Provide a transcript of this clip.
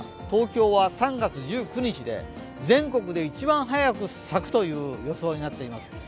東京は３月１９日で全国で一番早く咲くという予想になっています。